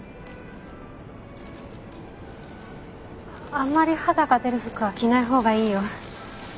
あんまり肌が出る服は着ない方がいいよ。